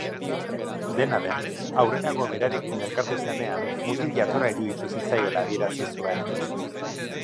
Dena den, aurrerago berarekin elkartu zenean mutil jatorra iruditu zitzaiola adierazi zuen.